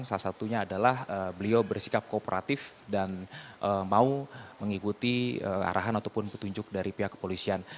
salah satunya adalah beliau bersikap kooperatif dan mau mengikuti arahan ataupun petunjuk dari pihak kepolisian